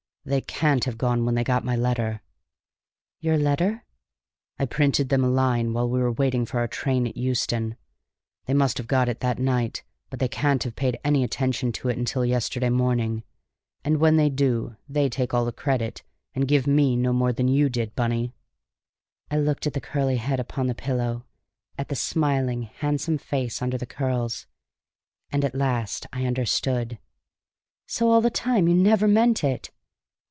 "They can't have gone when they got my letter." "Your letter?" "I printed them a line while we were waiting for our train at Euston. They must have got it that night, but they can't have paid any attention to it until yesterday morning. And when they do, they take all the credit and give me no more than you did, Bunny!" I looked at the curly head upon the pillow, at the smiling, handsome face under the curls. And at last I understood. "So all the time you never meant it!"